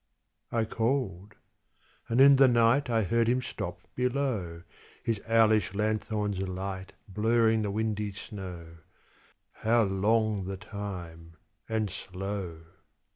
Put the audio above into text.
I called. And in the night I heard him stop below, His owlish lanthorn's light Blurring the windy snow How long the time and slow!